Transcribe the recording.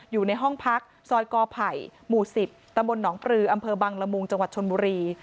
อยู่ในห้องพักซอยกไผ่หมู่๑๐ตนปรืออบังระมุงจชนมุรี